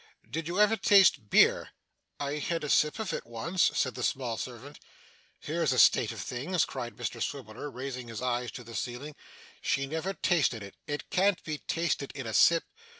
Did you ever taste beer?' 'I had a sip of it once,' said the small servant. 'Here's a state of things!' cried Mr Swiveller, raising his eyes to the ceiling. 'She never tasted it it can't be tasted in a sip!